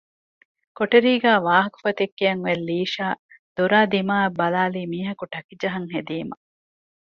ކޮޓަރީގައި ވާހަކަފޮތެއް ކިޔަން އޮތް ލީޝާ ދޮރާދިމާއަށް ބަލާލީ މީހަކު ޓަކިޖަހަން ހެދީމަ